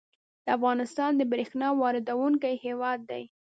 افغانستان د بریښنا واردونکی هیواد دی